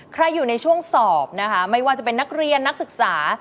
อยู่ในช่วงสอบนะคะไม่ว่าจะเป็นนักเรียนนักศึกษา